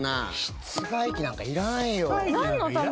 室外機なんかいらないよ。